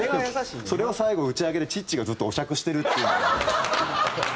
それを最後打ち上げでチッチがずっとお酌してるっていう。